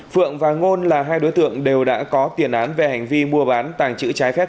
phượng và ngôn là hai đối tượng đều đã có tiền án về hành vi mua bán tàng trữ trái phép